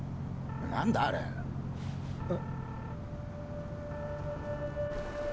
何だあれ？え？